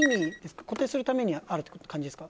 固定するためにあるって感じですか？